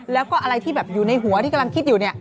แล้วก็อะไรที่แบบอยู่ในหัวที่กำลังคิดอยู่เนี่ย